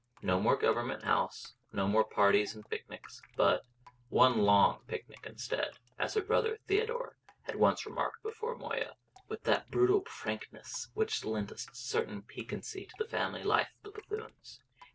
No more Government House no more parties and picnics but "one long picnic instead," as her brother Theodore had once remarked before Moya, with that brutal frankness which lent a certain piquancy to the family life of the Bethunes.